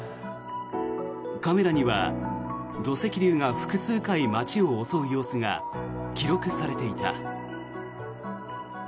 カメラには土石流が複数回、街を襲う様子が記録されていた。